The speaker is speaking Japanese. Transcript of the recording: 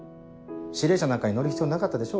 指令車なんかに乗る必要なかったでしょ？